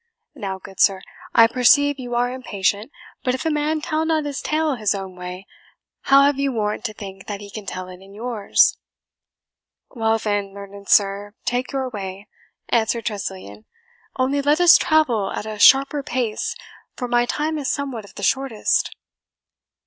Now, good sir, I perceive you are impatient; but if a man tell not his tale his own way, how have you warrant to think that he can tell it in yours?" "Well, then, learned sir, take your way," answered Tressilian; "only let us travel at a sharper pace, for my time is somewhat of the shortest."